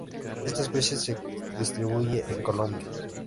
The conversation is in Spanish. Esta especie se distribuye en Colombia.